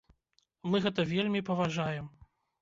Мы гэта вельмі паважаем.